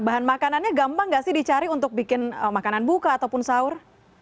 bahan makanannya gampang nggak sih dicari untuk bikin makanan buka ataupun sahur